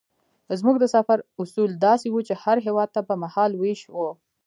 زموږ د سفر اصول داسې وو چې هر هېواد ته به مهال وېش وو.